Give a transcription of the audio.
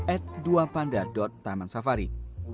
at dua panda taman safari